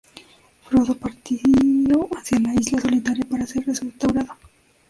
Frodo partió hacia La Isla solitaria para ser restaurado.